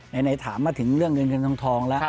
ไหนถามมาถึงเรื่องเงินเงินทองแล้ว